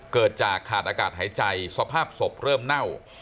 เกิดจากขาดอากาศหายใจสภาพศพเริ่มเน่า